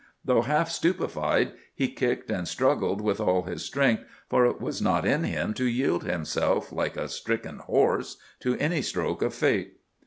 Though half stupefied, he kicked and struggled with all his strength, for it was not in him to yield himself, like a stricken horse, to any stroke of Fate.